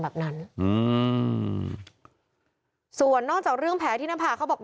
แบบนั้นอืมส่วนนอกจากเรื่องแผลที่หน้าผากเขาบอก